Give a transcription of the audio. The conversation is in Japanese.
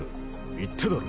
言っただろ。